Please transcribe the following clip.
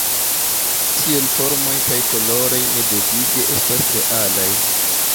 Tiel formoj kaj koloroj ne devige estas realaj.